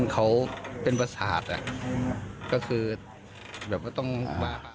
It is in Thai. เขาเป็นปศาสตร์ก็คือแบบว่าต้องมา